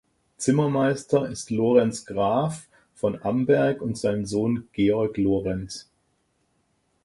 Zimmermeister ist "Lorenz Graf" von Amberg und sein Sohn "Georg Lorenz".